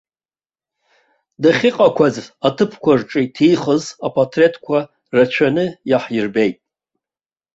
Дахьыҟақәаз аҭыԥқәа рҿы иҭихыз апатреҭқәа рацәаны иаҳирбеит.